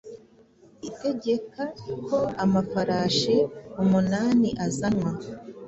itegeka ko amafarashi umunani azanwa